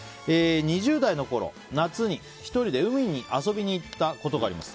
２０代のころ、夏に１人で海に遊びに行ったことがあります。